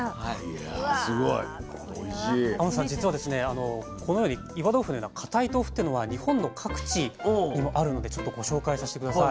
天野さん実はこのように岩豆腐のような固い豆腐っていうのは日本の各地にもあるのでちょっとご紹介させて下さい。